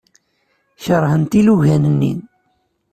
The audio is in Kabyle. Keṛhent ilugan-nni.